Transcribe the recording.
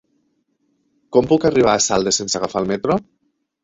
Com puc arribar a Saldes sense agafar el metro?